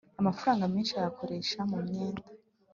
Amafaranga menshi ayakoresha mumyenda